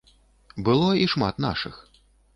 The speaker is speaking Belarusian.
Было і шмат нашых.